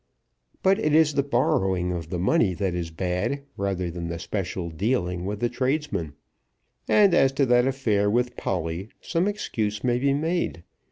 But it is the borrowing of the money that is bad, rather than the special dealing with the tradesman. And as to that affair with Polly, some excuse may be made.